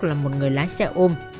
là một người lái xe ôm